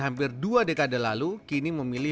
minumnya air juga